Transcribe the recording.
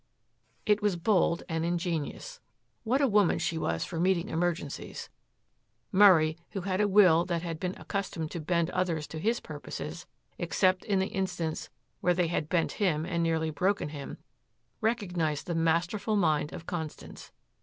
It was bold and ingenious. What a woman she was for meeting emergencies. Murray, who had a will that had been accustomed to bend others to his purposes except in the instance where they had bent him and nearly broken him, recognized the masterful mind of Constance.